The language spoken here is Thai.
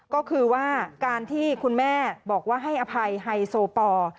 ก็คือว่าการที่คุณแม่บอกว่าให้อภัยไฮโซปอร์